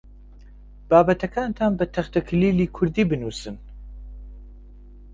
بابەتەکانتان بە تەختەکلیلی کوردی بنووسن.